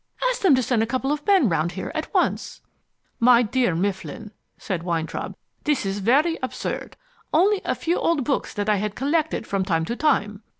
Ask them to send a couple of men round here at once." "My dear Mifflin," said Weintraub, "this is very absurd. Only a few old books that I had collected from time to time."